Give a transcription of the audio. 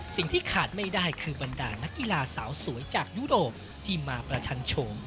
สิ่งที่ขาดไม่ได้คือบรรดานักกีฬาสาวสวยจากยุโรปที่มาประชันโฉม